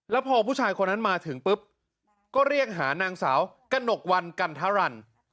แล้วพอผู้ชายคนนั้นมาถึงปุ๊บก็เรียกหานางสาวกระหนกวันกันทรัน